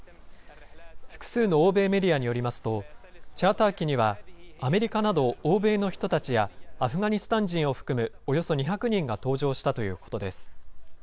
複数の欧米メディアによりますと、チャーター機にはアメリカなど欧米の人たちや、アフガニスタン人を含むおよそ２００人が搭乗したということです。